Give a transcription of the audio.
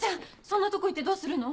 そんなとこ行ってどうするの？